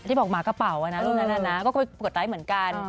ที่บอกหมากระเป๋านะรูปนั้นก็ไปกดไลค์เหมือนกัน